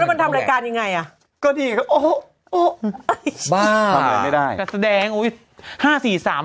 แล้วมันทำรายการยังไงอ่ะก็ดีบ้าไม่ได้แสดงอุ้ยห้าสี่สาม